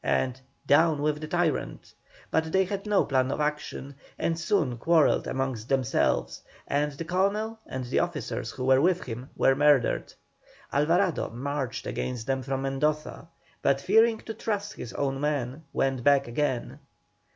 and "Down with the tyrant!" but they had no plan of action, and soon quarrelled amongst themselves, and the Colonel and the officers who were with him were murdered. Alvarado marched against them from Mendoza, but fearing to trust his own men went back again.